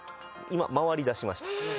今回りだしました。